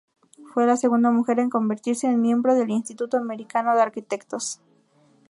Fue la segunda mujer en convertirse en miembro del Instituto Americano de Arquitectos.